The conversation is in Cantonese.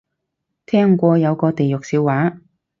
聽過有個地獄笑話